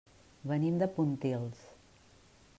Venim de Pontils.